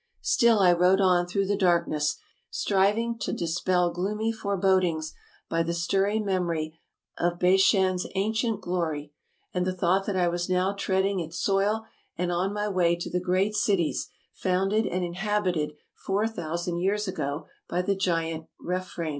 Still I rode on through the darkness, striving to dispel gloomy forebodings by the stirring memory of Bashan's ancient ASIA 267 glory, and the thought that I was now treading its soil and on my way to the great cities founded and inhabited four thousand years ago by the giant Rephaim.